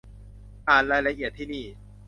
อ่านรายละเอียดที่นี่